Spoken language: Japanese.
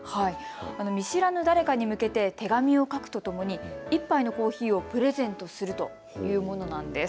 見知らぬ誰かに向けて手紙を書くとともに１杯のコーヒーをプレゼントするというものなんです。